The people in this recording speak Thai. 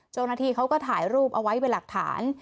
เจ้าหน้าที่เขาก็ถ่ายรูปเอาไว้เป็นหลักฐาน